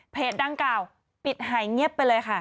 ดังกล่าวปิดหายเงียบไปเลยค่ะ